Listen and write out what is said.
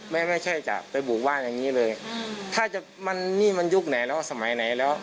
ไม่ใช่จะไปบุกบ้านอย่างนี้เลยถ้าจะมันนี่มันยุคไหนแล้วสมัยไหนแล้ว